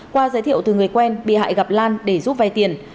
qua giới thiệu từ người quen bị hại gặp lan để giúp vay tiền